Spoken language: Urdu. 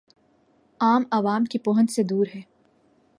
عام عوام کی پہنچ سے دور ہے